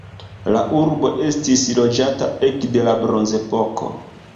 La urbo estis loĝata ekde la bronzepoko.